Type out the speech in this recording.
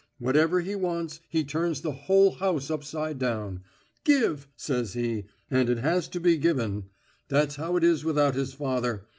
Whatever he wants, he turns the whole house upside down. 'Give,' says he, and it has to be given. That's how it is without his father.